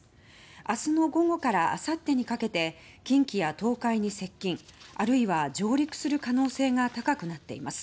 明日の午後からあさってにかけて近畿や東海に接近あるいは上陸する可能性が高くなっています。